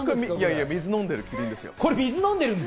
いや、水を飲んでるキリンですよ。